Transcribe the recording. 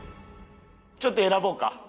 ちょっと選ぼうか。